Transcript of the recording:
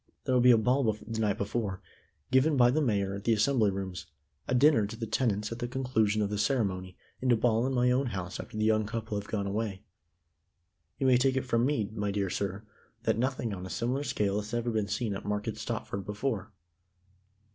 There'll be a ball the night before, given by the Mayor at the Assembly Rooms, a dinner to the tenants at the conclusion of the ceremony, and a ball in my own house after the young couple have gone away. You may take it from me, my dear sir, that nothing on a similar scale has even been seen at Market Stopford before."